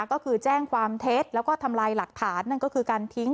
ก็คือแจ้งความเท็จแล้วก็ทำลายหลักฐานนั่นก็คือการทิ้ง